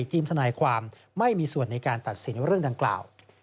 ทีมทนายความไม่มีส่วนในการตัดสินเรื่องดังกล่าว